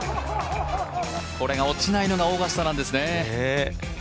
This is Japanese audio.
これが落ちないのがオーガスタなんですね。